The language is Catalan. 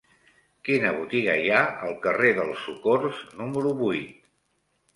Quina botiga hi ha al carrer del Socors número vuit?